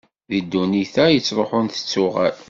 Di ddunit-a ittruḥun tettuɣal